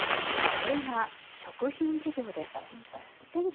それが食品事業です。